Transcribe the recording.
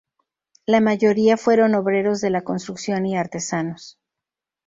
La mayoría fueron obreros de la construcción y artesanos.